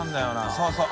そうそう。